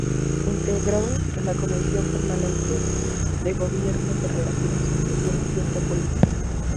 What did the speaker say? Integró la Comisión Permanente de Gobierno, de relaciones Exteriores y Alta Policía.